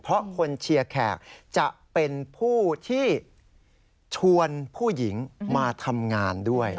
เพราะคนเชียร์แขกจะเป็นผู้ที่ชวนผู้หญิงมาทำงานด้วย